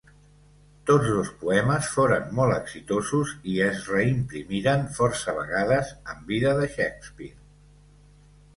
Tots dos poemes foren molt exitosos i es reimprimiren força vegades en vida de Shakespeare.